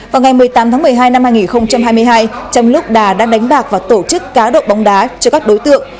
vào ngày một mươi tám tháng một mươi hai năm hai nghìn hai mươi hai trong lúc đà đang đánh bạc và tổ chức cá độ bóng đá cho các đối tượng